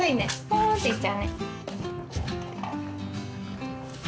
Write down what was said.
ポーンっていっちゃうね。